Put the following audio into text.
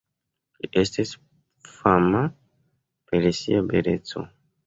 Li estis fama per sia beleco.